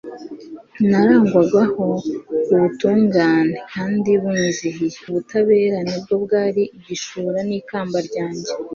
narangwagaho ubutungane, kandi bunyizihiye, ubutabera ni bwo bwari igishura n'ikamba ryanjye